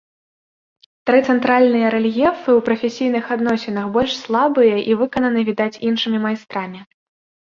Тры цэнтральныя рэльефы ў прафесійных адносінах больш слабыя і выкананы, відаць, іншымі майстрамі.